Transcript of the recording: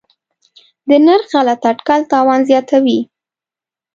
د نرخ غلط اټکل تاوان زیاتوي.